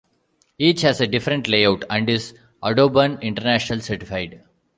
Each has a different layout and is Audubon International certified.